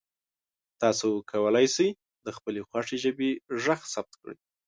تاسو کولی شئ د خپلې خوښې ژبې غږ ثبت کړئ.